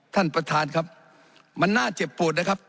ท่านประธานครับมันน่าเจ็บปวดนะครับ